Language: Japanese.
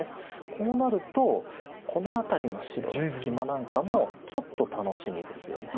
こうなるとこの辺りの白の隙間なんかもちょっと楽しみですよね。